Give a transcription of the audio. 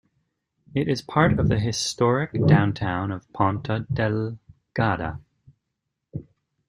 It is part of the historic downtown of Ponta Delgada.